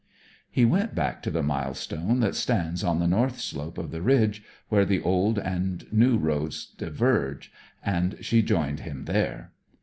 He went back to the milestone that stands on the north slope of the ridge, where the old and new roads diverge, and she joined him there.